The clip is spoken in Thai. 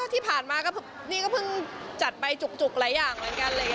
ที่ผ่านมาก็นี่ก็เพิ่งจัดไปจุกหลายอย่างเหมือนกัน